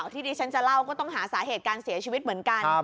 ที่ดิฉันจะเล่าก็ต้องหาสาเหตุการเสียชีวิตเหมือนกัน